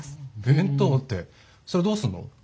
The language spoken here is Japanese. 弁当ってそれどうすんの？